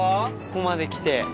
ここまで来て。